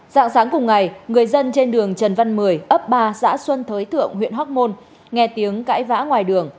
dạng sáng cùng ngày người dân trên đường trần văn mười ấp ba xã xuân thới thượng huyện hóc môn nghe tiếng cãi vã ngoài đường